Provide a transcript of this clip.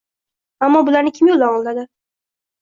Ammo! Bularni kim yo‘ldan oladi?